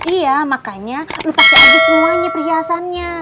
iya makanya lu pake aja semuanya perhiasannya